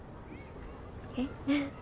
えっ？